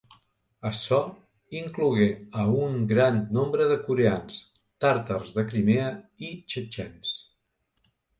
Açò inclogué a un gran nombre de coreans, tàrtars de Crimea, i Txetxens.